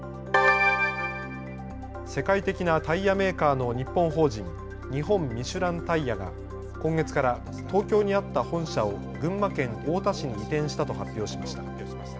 世界的なタイヤメーカーの日本法人、日本ミシュランタイヤが今月から東京にあった本社を群馬県太田市に移転したと発表しました。